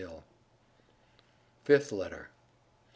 HILL. FIFTH LETTER.